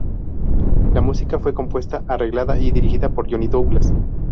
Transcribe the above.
La música fue compuesta, arreglada y dirigida por Johnny Douglas.